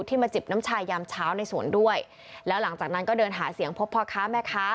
มาจิบน้ำชายยามเช้าในสวนด้วยแล้วหลังจากนั้นก็เดินหาเสียงพบพ่อค้าแม่ค้า